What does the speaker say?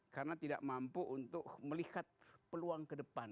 karena tidak mampu untuk melihat peluang ke depan